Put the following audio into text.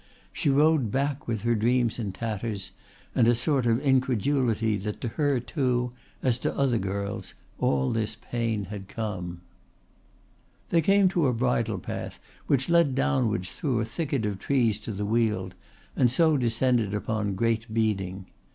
She rode back with her dreams in tatters and a sort of incredulity that to her too, as to other girls, all this pain had come. They came to a bridle path which led downwards through a thicket of trees to the weald and so descended upon Great Beeding.